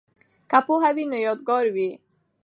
که پوهه وي نو یادګار وي.